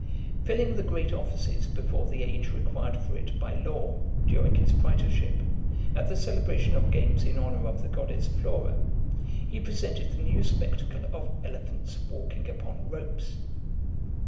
VI. Filling the great offices before the age required for it by law, during his praetorship, at the celebration of games in honour of the goddess Flora, he presented the new spectacle of elephants walking upon ropes.